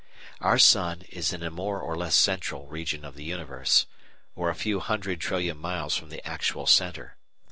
Our sun is in a more or less central region of the universe, or a few hundred trillion miles from the actual centre.